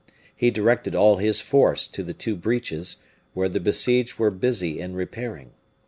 He directed all his force to the two breaches, where the besieged were busy in repairing.